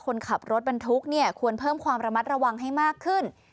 คนขับรถบรรทุกเนี่ยควรเพิ่มความระมัดระวังให้มากขึ้น